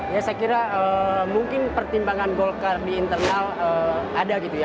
ya saya kira mungkin pertimbangan golkar di internal ada gitu ya